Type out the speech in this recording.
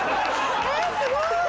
えーっすごーい！